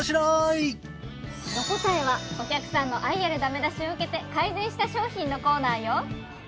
ドこたえはお客さんの愛あるダメ出しを受けて改善した商品のコーナーよ。